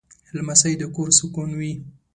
لمسی د کور سکون وي.